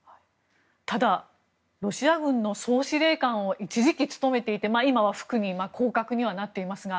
ただ、ロシア軍の総司令官を一時期務めていて今は副に降格にはなっていますが。